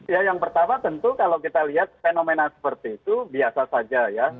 ya yang pertama tentu kalau kita lihat fenomena seperti itu biasa saja ya